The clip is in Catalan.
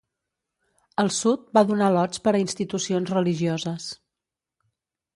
El sud va donar lots per a institucions religioses.